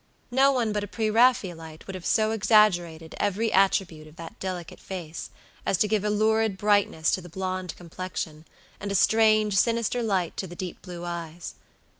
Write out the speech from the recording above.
No one but a pre Raphaelite would have so exaggerated every attribute of that delicate face as to give a lurid brightness to the blonde complexion, and a strange, sinister light to the deep blue eyes.